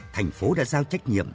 thành phố đã giao trách nhiệm